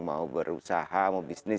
mau berusaha mau bisnis